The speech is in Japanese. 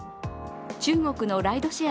中国のライドシェア